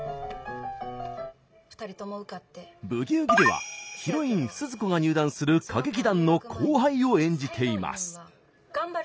「ブギウギ」ではヒロイン鈴子が入団する歌劇団の後輩を演じています。